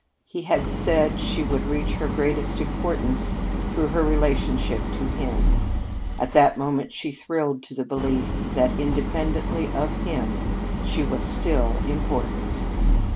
He had said she would reach her greatest importance through her relationship to him. At that moment she thrilled to the belief that, independently of him, she was still important.